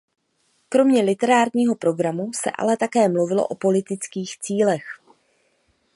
Kromě literárního programu se ale také mluvilo o politických cílech.